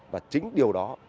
và chính điều đó